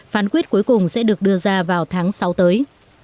phán quyết cuối cùng sẽ được đưa ra vào tháng sáu tới